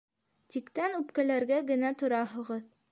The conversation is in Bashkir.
Тиктән үпкәләргә генә тораһығыҙ.